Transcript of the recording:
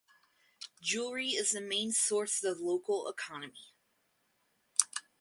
Jewelry is the main source of local economy.